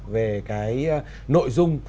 về cái nội dung